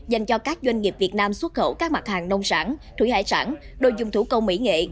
dành cho các doanh nghiệp việt nam xuất khẩu các mặt hàng nông sản thủy hải sản đồ dùng thủ công mỹ nghệ